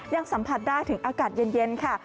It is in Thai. ยังสัมผัสได้ถึงอากาศเย็นค่ะ